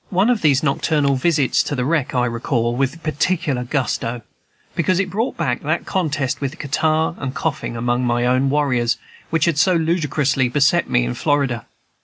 One of these nocturnal visits to the wreck I recall with peculiar gusto, because it brought back that contest with catarrh and coughing among my own warriors which had so ludicrously beset me in Florida.